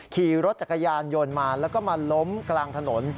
ขี่รถจักรยานยนต์มาแล้วก็มาล้มกลางถนน